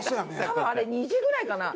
多分あれ２時ぐらいかな？